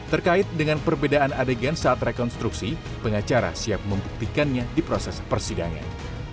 terkait dengan perbedaan adegan saat rekonstruksi pengacara siap membuktikannya di proses persidangan